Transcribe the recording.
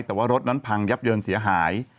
แต่ว่ารถนั้นพังยับเยินเสียหาย